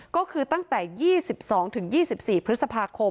ก็คือตั้งแต่๒๒๒๔พฤษภาคม